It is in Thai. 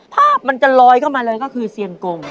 ภาพมันจะลอยเข้ามาเลยก็คือเซียงกง